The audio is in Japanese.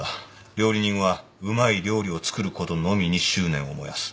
料理人はうまい料理を作ることのみに執念を燃やす。